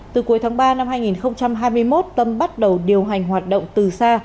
từ cuối tháng ba năm hai nghìn hai mươi một tâm bắt đầu điều hành hoạt động từ xa